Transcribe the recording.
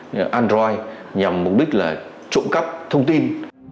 như android nhằm mục đích là trộm cắp thông tin